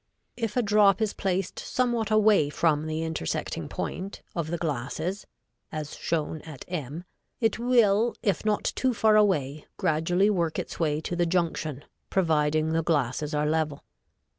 If a drop is placed somewhat away from the intersecting point, of the glasses, as shown at m it will, if not too far away, gradually work its way to the junction, providing the glasses are level.